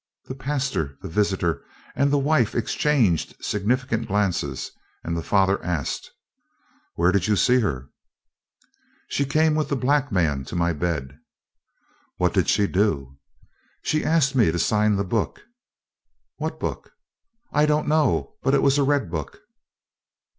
The pastor, the visitor, and the wife exchanged significant glances, and the father asked: "Where did you see her?" "She came with the black man to my bed." "What did she do?" "She asked me to sign the book." "What book?" "I don't know; but it was a red book."